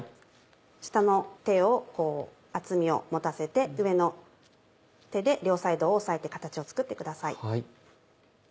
下の手をこう厚みを持たせて上の手で両サイドを押さえて形を作ってください。